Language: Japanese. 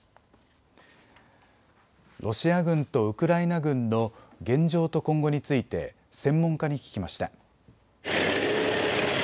ロシア軍とウクライナ軍の現状と今後について専門家に聞きました。